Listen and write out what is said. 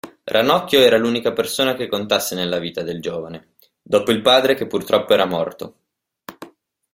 Ranocchio era l'unica persona che contasse nella vita del giovane , dopo il padre che purtroppo era morto.